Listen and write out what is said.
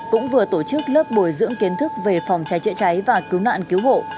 cũng vừa tổ chức lớp bồi dưỡng kiến thức về phòng cháy chữa cháy và cứu nạn cứu hộ